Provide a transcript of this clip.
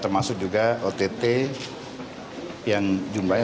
termasuk juga ott yang jumlahnya